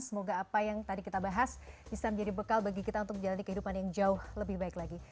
semoga apa yang tadi kita bahas bisa menjadi bekal bagi kita untuk menjalani kehidupan yang jauh lebih baik lagi